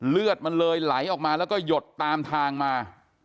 เลือดมันเลยไหลออกมาแล้วก็หยดตามทางมา